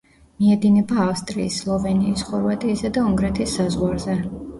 მიედინება ავსტრიის, სლოვენიის, ხორვატიისა და უნგრეთის საზღვარზე.